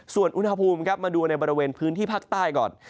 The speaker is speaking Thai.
ส่วนอุณหภูมิครับมาดูในบริเวณพื้นที่ภาคใต้ก่อน